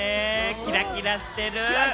キラキラしてる。